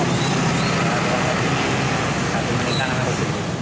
satu tiga enam dua tiga